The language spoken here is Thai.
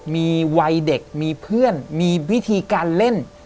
มีวัยเด็กมีเพื่อนมีวิธีการเล่น